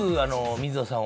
水野さんを？